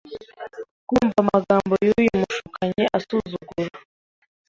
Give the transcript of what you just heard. kumva amagambo y’uyu mushukanyi usuzugura,